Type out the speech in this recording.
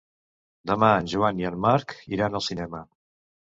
Demà en Joan i en Marc iran al cinema.